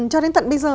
cho đến tận bây giờ